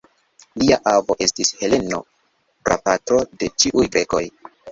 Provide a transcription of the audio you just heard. Lia avo estis Heleno, prapatro de ĉiuj grekoj.